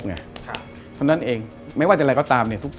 เพราะฉะนั้นเองไม่ว่าจะอะไรก็ตาม